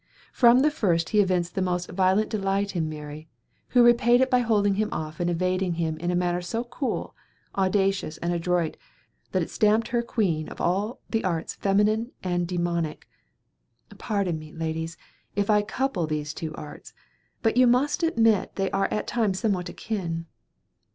From the first he evinced the most violent delight in Mary, who repaid it by holding him off and evading him in a manner so cool, audacious and adroit that it stamped her queen of all the arts feminine and demoniac. Pardon me, ladies, if I couple these two arts, but you must admit they are at times somewhat akin.